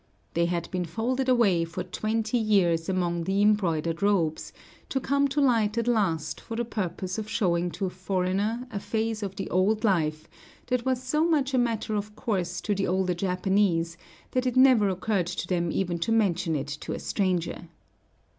They had been folded away for twenty years among the embroidered robes, to come to light at last for the purpose of showing to a foreigner a phase of the old life that was so much a matter of course to the older Japanese that it never occurred to them even to mention it to a stranger.